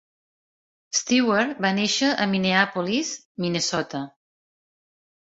Stewart va néixer a Minneapolis, Minnesota.